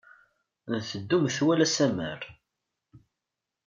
Nteddu metwal asammar.